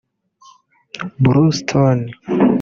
Bluestone